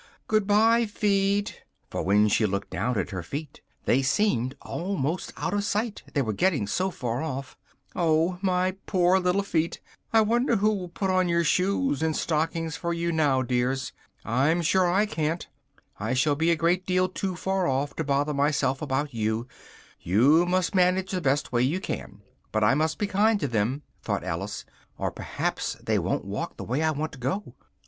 Goodbye, feet!" (for when she looked down at her feet, they seemed almost out of sight, they were getting so far off,) "oh, my poor little feet, I wonder who will put on your shoes and stockings for you now, dears? I'm sure I can't! I shall be a great deal too far off to bother myself about you: you must manage the best way you can but I must be kind to them," thought Alice, "or perhaps they won't walk the way I want to go!